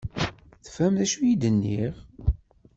Tefhem d acu i d-nniɣ?